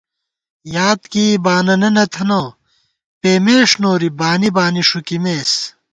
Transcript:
یادکېئی باننہ نہ تھنہ، پېمېݭ نوری بانی بانی ݭُوکِمېس